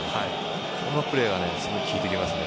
そのプレーがすごい効いてきますね。